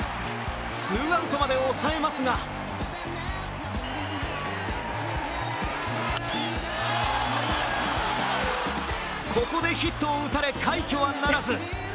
ツーアウトまで抑えますがここでヒットを打たれ、快挙はならず。